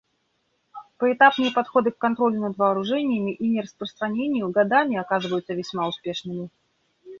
Поэтапные подходы к контролю над вооружениями и нераспространению годами оказываются весьма успешными.